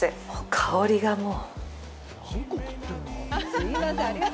香りが、もう。